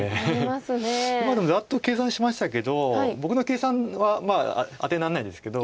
今でもざっと計算しましたけど僕の計算はあてにならないんですけど。